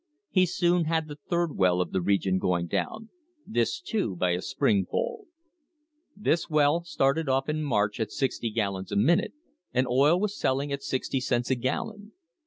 He soon had the third well of the region going down, this too by a spring pole. This well started off in March at sixty gallons a minute, and oil was selling at sixty cents a gallon.